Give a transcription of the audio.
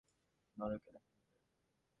নরকে দেখা হবে।